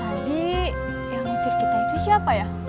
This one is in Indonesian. adik yang ngusir kita itu siapa ya